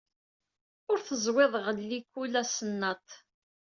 Ul teẓwid ɣel likul asennaṭ.